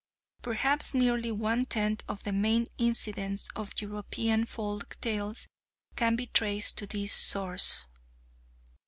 Perhaps nearly one tenth of the main incidents of European folk tales can be traced to this source.